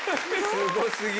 すご過ぎ。